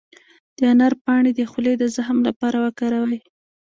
د انار پاڼې د خولې د زخم لپاره وکاروئ